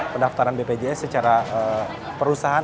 pendaftaran bpjs secara perusahaan